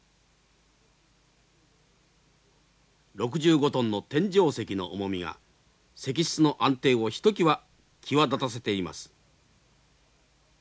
６５トンの天井石の重みが石室の安定をひときわ際立たせています。